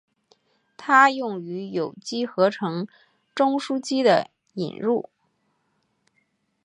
它用于有机合成中巯基的引入。